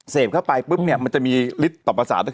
เสพเข้าไปปุ๊บเนี่ยมันจะมีฤทธิ์ต่อภาษา